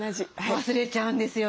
忘れちゃうんですよね。